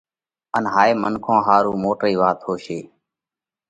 ان هائي منکون ۿارُو موٽئِي وات هوشي